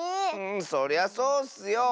そりゃそうッスよ。